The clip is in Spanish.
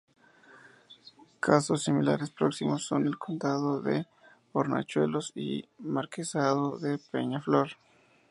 Casos similares próximos son el Condado de Hornachuelos y el Marquesado de Peñaflor.